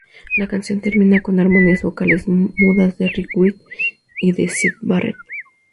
La canción termina con armonías vocales mudas de Rick Wright y de Syd Barrett.